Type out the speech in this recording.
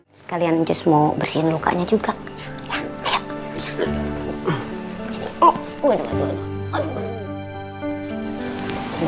hai kalian justru bersih lukanya juga ya